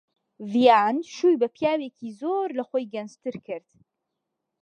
ڤیان شووی بە پیاوێکی زۆر لە خۆی گەنجتر کرد.